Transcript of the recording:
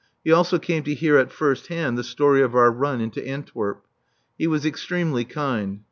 He also came to hear at first hand the story of our run into Antwerp. He was extremely kind.